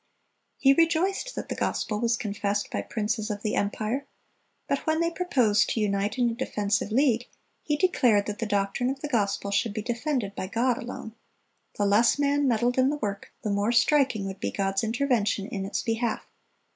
He rejoiced that the gospel was confessed by princes of the empire; but when they proposed to unite in a defensive league, he declared that "the doctrine of the gospel should be defended by God alone.... The less man meddled in the work, the more striking would be God's intervention in its behalf.